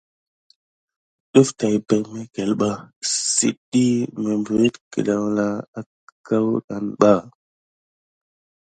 Ɗəf tay peɗmekel ɓa sit diy beriti kelena akoudane ba.